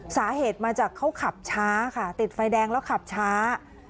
สาเหตุมาจากเขาขับช้าค่ะติดไฟแดงแล้วขับช้า